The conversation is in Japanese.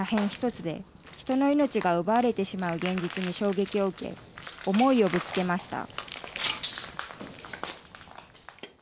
１つで人の命が奪われてしまう現実に衝撃を受け思いをぶつけました。